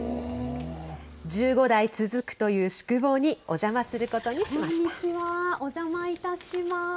１５代続くという宿坊にお邪魔することにしました。